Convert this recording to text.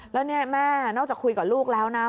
ใช่แล้วแม่นอกจากคุยกับลูกแล้วนะ